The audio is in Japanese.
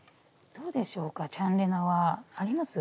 どうでしょうかチャンレナはあります？